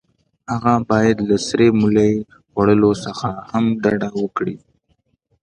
هغه باید له سرې مولۍ خوړلو څخه هم ډډه وکړي.